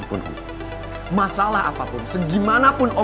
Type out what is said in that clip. putri telfon siapa ya